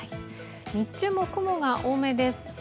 日中も雲が多めです。